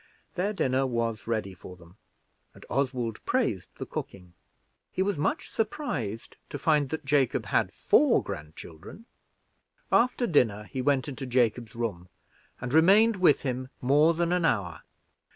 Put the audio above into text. Their dinner was ready for them, and Oswald praised the cooking. He was much surprised to see that Jacob had four grandchildren. After dinner, he went into Jacob's room, and remained with him more than an hour.